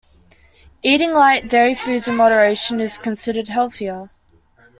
Eating light, dairy foods in moderation is considered healthier.